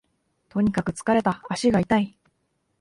とにかく疲れた、足が痛い